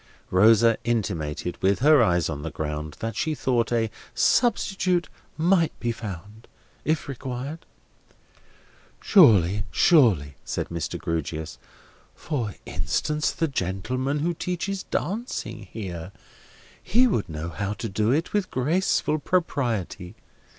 Rosa intimated, with her eyes on the ground, that she thought a substitute might be found, if required. "Surely, surely," said Mr. Grewgious. "For instance, the gentleman who teaches Dancing here—he would know how to do it with graceful propriety.